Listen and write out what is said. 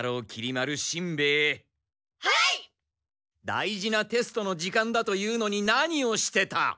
大事なテストの時間だというのに何をしてた？